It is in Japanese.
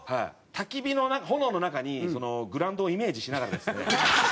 焚き火の炎の中にグラウンドをイメージしながらですね。